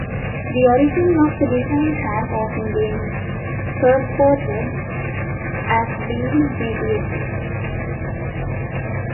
The origin of the design has often been purported as being medieval.